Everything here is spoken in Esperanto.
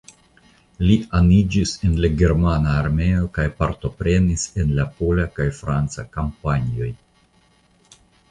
Li aniĝis en la germana armeo kaj partoprenis en la pola kaj franca kampanjoj.